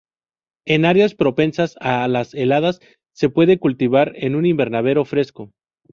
En áreas propensas a las heladas, se puede cultivar en un invernadero fresco.